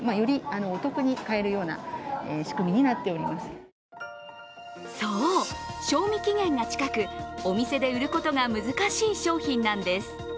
実はこちらそう、賞味期限が近く、お店で売ることが難しい商品なんです。